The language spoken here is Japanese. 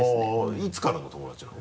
いつからの友達なの？